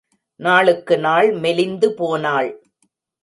நாளுக்கு நாள் மெலிந்து போனாள்.